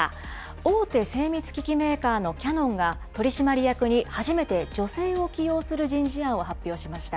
大手精密機器メーカーのキヤノンが、取締役に初めて女性を起用する人事案を発表しました。